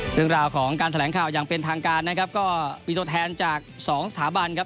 เรื่องราวของการแถลงข่าวอย่างเป็นทางการนะครับก็มีตัวแทนจากสองสถาบันครับ